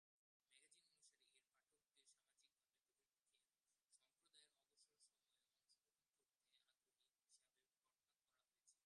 Magazine অনুসারে, এর পাঠকদের "সামাজিকভাবে বহির্মুখী, এবং সম্প্রদায়ের অবসর সময়ে অংশগ্রহণ করতে আগ্রহী" হিসাবে বর্ণনা করা হয়েছে।